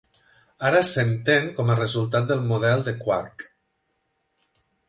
Ara s'entén com a resultat del model de quark.